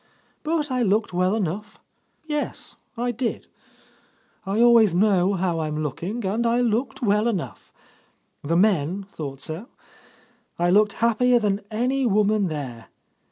But I looked well enough ! Yes, I did. I always know how I'm looking, and I looked well enough. The men thought so. I looked happier than any woman there.